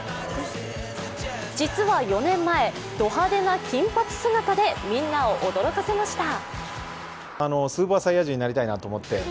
実は４年前、ド派手な金髪姿でみんなを驚かせました。